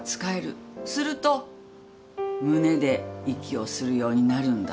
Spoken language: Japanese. すると胸で息をするようになるんだ。